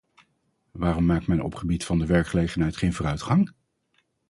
Waarom maakt men op het gebied van de werkgelegenheid geen vooruitgang?